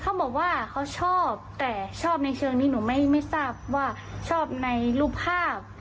เขาบอกว่าเขาชอบแต่ชอบในเชิงนี้หนูไม่ทราบว่าชอบในรูปภาพ